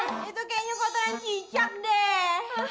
oma itu kayaknya kotoran cicak deh